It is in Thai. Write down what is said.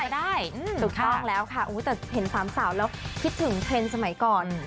สาวแล้วคิดถึงเทรนด์สมัยก่อน